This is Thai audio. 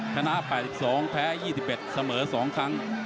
ชนะ๘๒แพ้๒๑เสมอ๒ครั้ง